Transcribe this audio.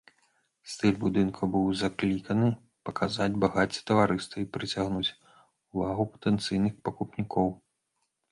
Стыль будынка быў закліканы паказаць багацце таварыства і прыцягнуць увагу патэнцыйных пакупнікоў.